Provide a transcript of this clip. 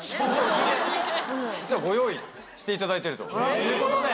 実はご用意していただいているということで。